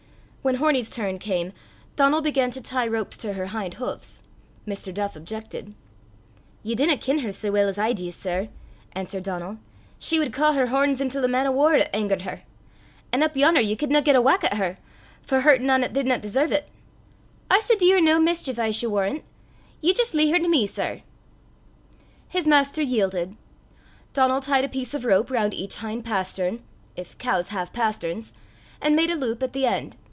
When Hornie's turn came, Donal began to tie ropes to her hind hoofs. Mr. Duff objected. "Ye dinna ken her sae weel as I dee, sir," answered Donal. "She wad caw her horns intil a man o war 'at angert her. An' up yon'er ye cudna get a whack at her, for hurtin' ane 'at didna deserve 't. I s' dee her no mischeef, I s' warran'. Ye jist lea' her to me, sir." His master yielded. Donal tied a piece of rope round each hind pastern if cows have pasterns and made a loop at the end.